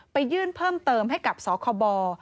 ไปยื่นเพิ่มเติมให้กับสคบ